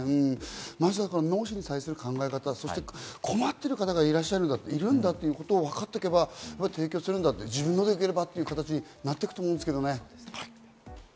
まずは脳死に対する考え方、そして困っている方がいらっしゃるんだ、いるんだということをわかっておけば、提供する、自分のでよければという形になっていくと思うんですけどね。